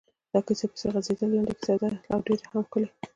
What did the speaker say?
دا کیسه پسې غځېدلې ده، لنډه کیسه ده او ډېره هم ښکلې.